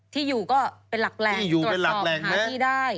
ที่อยู่ก็เป็นหลักแหล่งตรวจสอบหาที่ได้